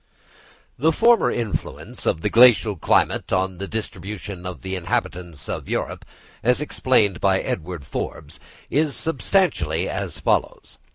The former influence of the glacial climate on the distribution of the inhabitants of Europe, as explained by Edward Forbes, is substantially as follows.